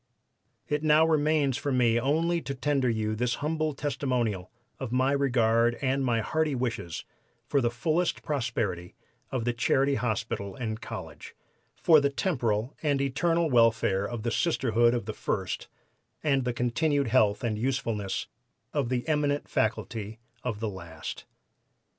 "It now remains for me only to tender you this humble testimonial of my regard and my hearty wishes for the fullest prosperity of the Charity Hospital and College, for the temporal and eternal welfare of the Sisterhood of the first, and the continued health and usefulness of the eminent faculty of the last."